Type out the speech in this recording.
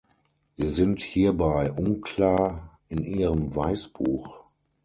Sie sind hierbei unklar in Ihrem Weißbuch.